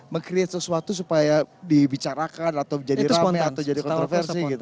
membuat sesuatu supaya dibicarakan atau menjadi rame atau kontroversi gitu